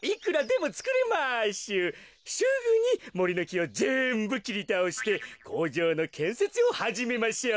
すぐにもりのきをぜんぶきりたおしてこうじょうのけんせつをはじめましょう。